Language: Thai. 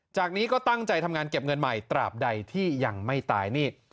จากนี้ก็ตั้งใจทำงานเก็บเงินใหม่ตราบใดที่ยังไม่ตายนี่